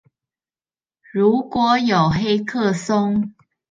如果有黑客松